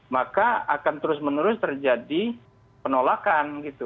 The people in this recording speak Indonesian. maka akan terus menerus terjadi penolakan gitu